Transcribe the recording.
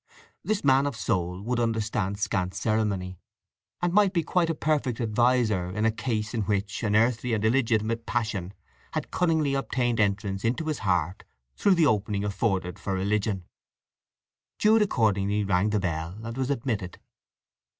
This man of soul would understand scant ceremony, and might be quite a perfect adviser in a case in which an earthly and illegitimate passion had cunningly obtained entrance into his heart through the opening afforded for religion. Jude accordingly rang the bell, and was admitted.